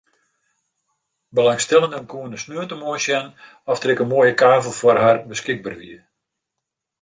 Belangstellenden koene sneontemoarn sjen oft der in moaie kavel foar har beskikber wie.